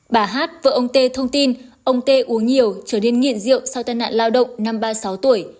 bà hát vợ ông tê thông tin ông tê uống nhiều trở nên nghiện rượu sau tai nạn lao động năm ba mươi sáu tuổi